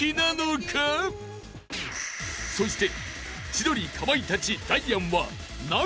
［そして］